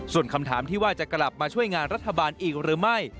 ส่วนคำถามที่ว่าจะกลับมาช่วยงานรัฐบาลอีกหรือไม่